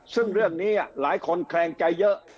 ซึ่งเรื่องนี้หลายคนแคลงใจเยอะ